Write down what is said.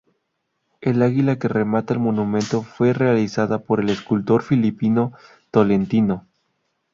El águila que remata el monumento fue realizada por el escultor filipino Tolentino.